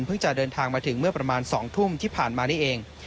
จะเดินทางมาถึงเมื่อประมาณ๒ทุ่มที่ผ่านมานี่เอง